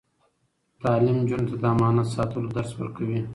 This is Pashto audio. تعلیم نجونو ته د امانت ساتلو درس ورکوي.